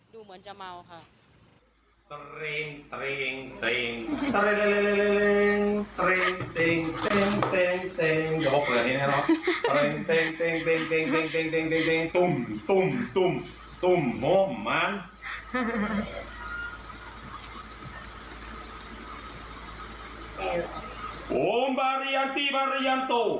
ดูเหมือนจะเมาค่ะ